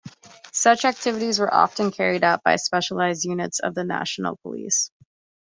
Such activities were often carried out by specialized units of the National Police.